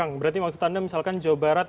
kang berarti maksud anda misalkan jawa barat